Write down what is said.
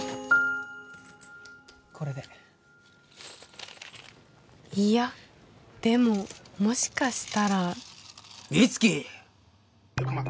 これでいやでももしかしたら美月！